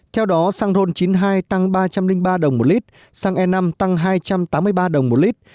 theo đó xăng ron chín mươi hai tăng ba trăm linh ba đồng một lít xăng e năm tăng hai trăm tám mươi ba đồng một lít